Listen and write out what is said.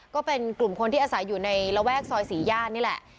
ก็เป็นกลุ่มคนที่อาศัยอยู่ในระแวกซอยศรีญาตินี่แหละ